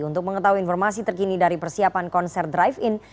untuk mengetahui informasi terkini dari persiapan konser drive in